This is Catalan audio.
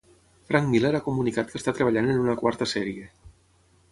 Frank Miller ha comunicat que està treballant en una quarta sèrie.